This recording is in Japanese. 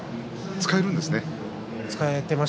使えているんですね。